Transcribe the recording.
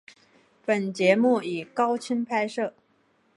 本节目以高清拍摄。